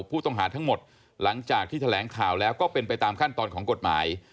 ผู้ต้องหาทั้งหมดหลังจากที่แถลงข่าวแล้วก็เป็นไปตามขั้นตอนของกฎหมาย